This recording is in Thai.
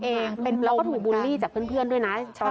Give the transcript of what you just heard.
เป็นปรงเหมือนกันแล้วถูกบุลลี่จากเพื่อนเพื่อนด้วยน่ะ